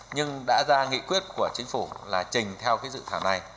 nhưng đã ra nghị quyết của chính phủ là trình theo cái dự thảo này